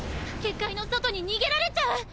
結界の外に逃げられちゃう！